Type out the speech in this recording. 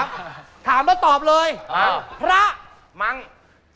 ไม่กินเป็นร้อย